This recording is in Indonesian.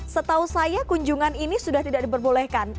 setahu saya kunjungan ini sudah tidak diperbolehkan